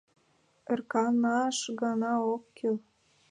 Ӧрканаш гына ок кӱл.